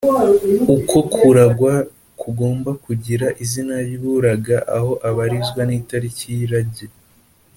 uko kuraga kugomba kugira izina ry’uraga aho abarizwa n’itariki y’irage